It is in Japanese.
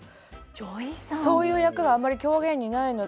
そういう役があんまり狂言にないので。